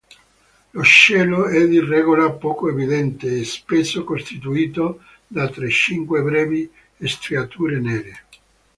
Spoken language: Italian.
L'ocello è di regola poco evidente e spesso costituito da tre-cinque brevi striature nere.